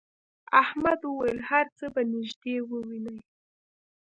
احمد وویل هر څه به نږدې ووینې.